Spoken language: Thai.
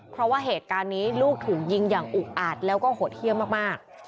เพราะว่าเหตุการณ์นี้ลูกถูกยิงอย่างอุกอาจแล้วก็โหดเยี่ยมมาก